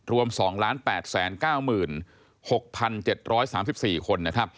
รวม๒๘๙๖๗๓๔คน